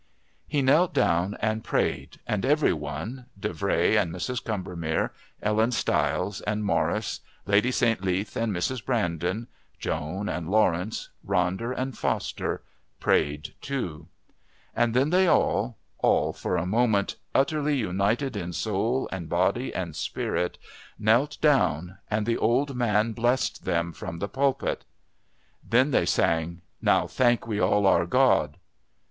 He knelt down and prayed, and every one, Davray and Mrs. Combermere, Ellen Stiles and Morris, Lady St. Leath and Mrs. Brandon, Joan and Lawrence, Ronder and Foster, prayed too. And then they all, all for a moment utterly united in soul and body and spirit, knelt down and the old man blessed them from the pulpit. Then they sang "Now Thank We All Our God."